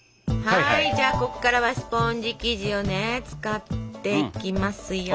はいじゃあここからはスポンジ生地をね使っていきますよ。